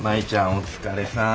お疲れさん。